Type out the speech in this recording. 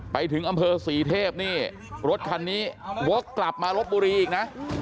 ไปถึงอำเภอศรีเทพนี่รถคันนี้วกกลับมาลบบุรีอีกนะ